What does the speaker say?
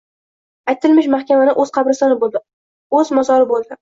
Aytilmish mahkamani o‘z qabristoni bo‘ldi. O’z mo-zori bo‘ldi.